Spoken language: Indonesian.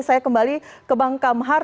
saya kembali ke bang kamhar